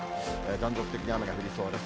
断続的に雨が降りそうです。